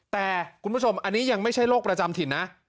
แต่คุณผู้ชมอันนี้ยังไม่ใช่โรคประจำถิ่นนะ